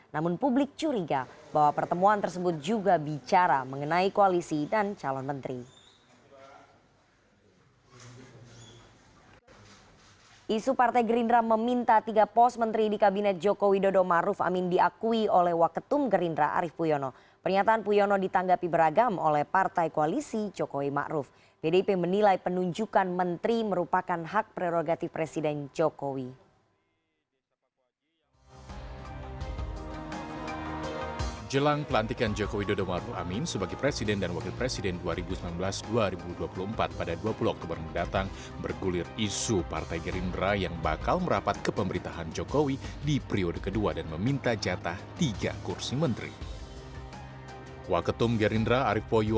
namun publik curiga bahwa pertemuan tersebut juga bicara mengenai koalisi dan calon menteri